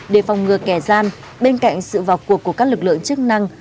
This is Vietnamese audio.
để phòng ngừa kẻ gian bên cạnh sự vào cuộc của các lực lượng chức năng